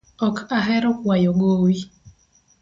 Ok ahero kwayo gowi